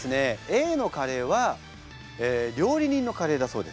Ａのカレーは料理人のカレーだそうです。